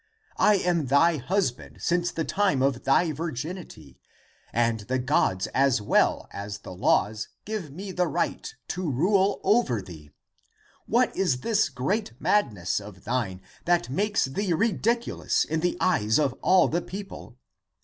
I am thy husband since the time of thy virginity, and the gods as well as the laws give me the right to rule over thee. What is this great mad ness of thine that makes thee ridiculous in the eyes of all the people?